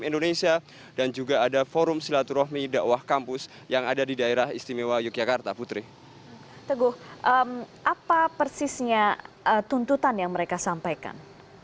teguh apa persisnya tuntutan yang mereka sampaikan